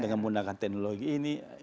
dengan menggunakan teknologi ini